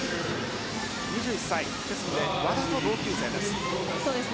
２１歳ですので和田と同級生です。